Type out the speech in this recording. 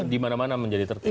di mana mana menjadi tertib